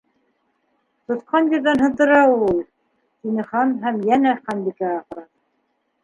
—Тотҡан ерҙән һындыра ул..., —тине Хан һәм йәнә Ханбикәгә ҡараны.